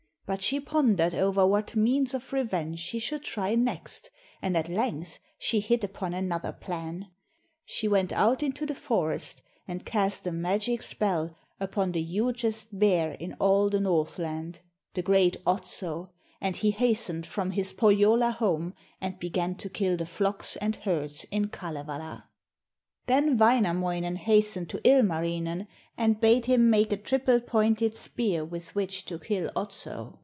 But she pondered over what means of revenge she should try next, and at length she hit upon another plan. She went out into the forest and cast a magic spell upon the hugest bear in all the Northland the great Otso and he hastened from his Pohjola home and began to kill the flocks and herds in Kalevala. Otso = bear. Then Wainamoinen hastened to Ilmarinen, and bade him make a triple pointed spear with which to kill Otso.